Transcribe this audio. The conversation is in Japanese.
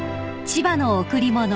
［『千葉の贈り物』］